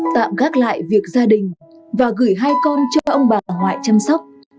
tạm gác lại việc gia đình và gửi hai con cho ông bà ngoại chăm sóc